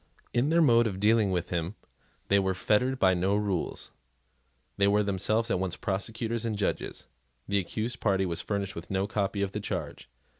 In their mode of dealing with him they were fettered by no rules. They were themselves at once prosecutors and judges. The accused party was furnished with no copy of the charge.